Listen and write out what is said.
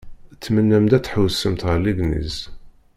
Tmennam-d ad tḥewwsemt ar Legniz.